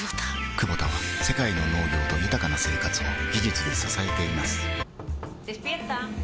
クボタは世界の農業と豊かな生活を技術で支えています起きて。